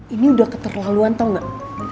ini udah keterlaluan tau gak